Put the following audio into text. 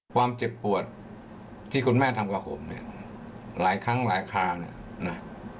ความเจ็บปวดที่คุณแม่ทำกับผมเนี่ยหลายครั้งหลายคราวเนี่ยนะ